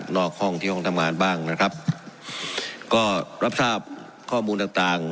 ห้องที่ห้องทำงานบ้างนะครับก็รับทราบข้อมูลต่างต่าง